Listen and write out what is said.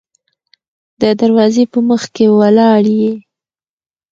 د دروازې په مخکې ولاړ يې.